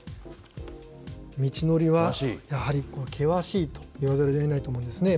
道のりはやはり険しいと言わざるをえないと思うんですね。